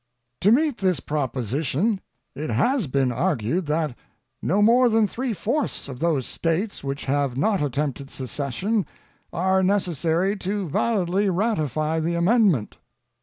To meet this proposition, it has been argued that no more than three fourths of those States which have not attempted secession are necessary to validly ratify the amendment.